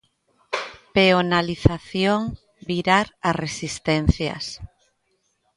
'Peonalización: virar as resistencias'.